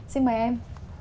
xin mời em